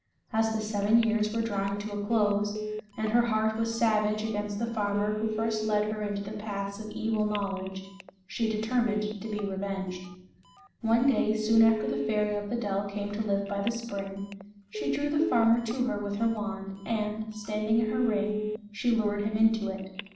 As the seven years were drawing to a close, and her heart was savage against the farmer who first led her into the paths of evil knowledge, she determined to be revenged. One day, soon after the Fairy of the Dell came to live by the spring, she drew the farmer to her with her wand, and, standing in her ring, she lured him into it.